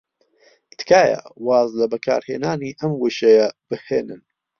تکایە واز لە بەکارهێنانی ئەو وشەیە بهێنن.